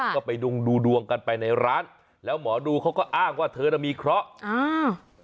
ก็ไปดุงดูดวงกันไปในร้านแล้วหมอดูเขาก็อ้างว่าเธอน่ะมีเคราะห์อ่า